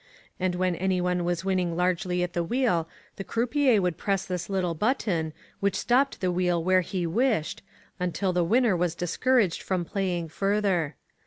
And when anyone was winning largely at the wheel the croupier would press this little button, which stopped the wheel where he wished, until the winner was dis couraged from playing further.